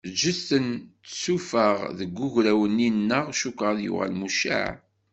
Ggtent tsufaɣ deg ugraw-nni-nneɣ, cukkeɣ ad yuɣal mucaɛ.